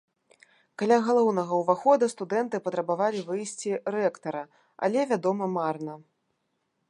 Каля галоўнага ўвахода студэнты патрабавалі выйсці рэктара, але, вядома, марна.